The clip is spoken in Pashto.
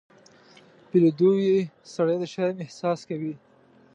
په لیدو یې سړی د شرم احساس کوي.